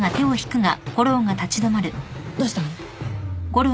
どうしたの？